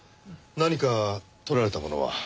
何か盗られたものは？